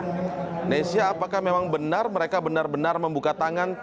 indonesia apakah memang benar mereka benar benar membuka tangan